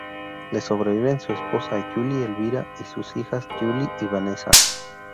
Le sobreviven su esposa July Elvira y sus hijas July y Vanessa.